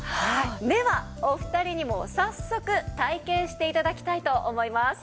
ではお二人にも早速体験して頂きたいと思います。